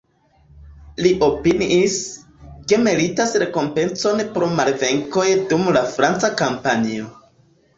Li opiniis, ke meritas rekompencon pro malvenkoj dum la franca kampanjo.